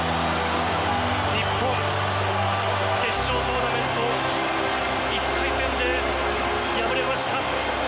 日本、決勝トーナメント１回戦で敗れました。